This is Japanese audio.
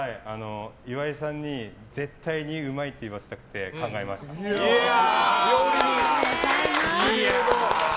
岩井さんに絶対にうまいって言わせたくて料理人！